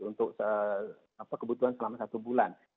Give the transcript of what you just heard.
untuk kebutuhan selama satu bulan